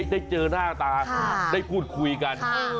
ได้เจอหน้าตาได้พูดคุยกัน